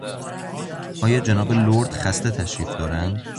آیا جناب لرد خسته تشریف دارند؟